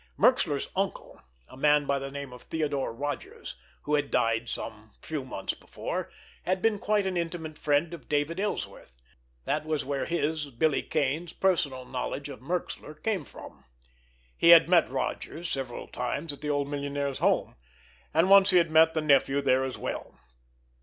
Merxler's uncle, a man by the name of Theodore Rodgers, who had died some few months before, had been quite an intimate friend of David Ellsworth—that was where his, Billy Kane's, personal knowledge of Merxler came from. He had met Rodgers several times at the old millionaire's home; and once he had met the nephew there as well.